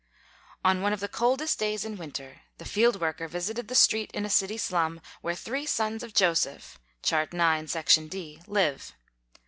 On one of the coldest days in winter the field worker visited the street in a city slum where three sons of Joseph (Chart IX, section D) live.